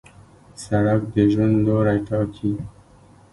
سړک د ژوند لوری ټاکي.